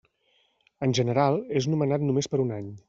En general, és nomenat només per un any.